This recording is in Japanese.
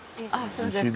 そうですか。